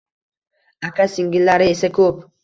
Aka-singillari esa ko’p.